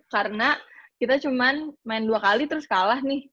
karena kita cuma main dua kali terus kalah nih